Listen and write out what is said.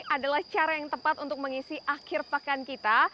adalah cara yang tepat untuk mengisi akhir pekan kita